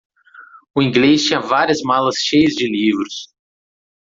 O inglês tinha várias malas cheias de livros.